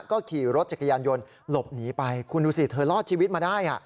ก็ขี่รถจักรยานยนต์หลบหนีไปคุณดูสิเธอรอดชีวิตมาได้